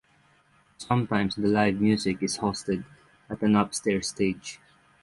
Sometimes the live music is hosted at an upstairs stage.